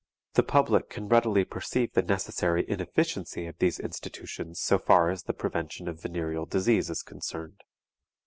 The public can readily perceive the necessary inefficiency of these institutions so far as the prevention of venereal disease is concerned.